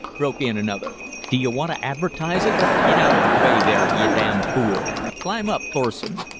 broke in another. "Do you want to advertise it? Get out of the way, there, ye damn fool! Climb up, Thorsen."